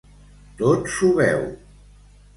Tot s'ho beu.